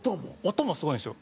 音もすごいんですよ。